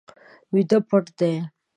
ویده پټ دی